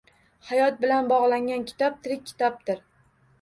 Hayot bilan bog‘langan kitob tirik kitobdir.